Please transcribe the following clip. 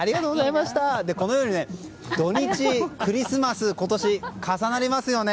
このように土日、クリスマスが今年重なりますよね。